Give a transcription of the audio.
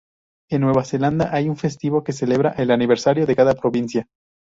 En Nueva Zelanda hay un festivo que celebra el aniversario de cada provincia.